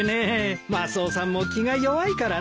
マスオさんも気が弱いからな。